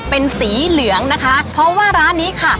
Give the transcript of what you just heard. เป็นสีเหลืองนะคะเพราะว่าร้านนี้ค่ะ